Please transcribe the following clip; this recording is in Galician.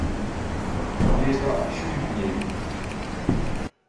Alí está Xulia Piñeiro.